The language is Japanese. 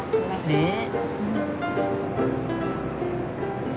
ねえ。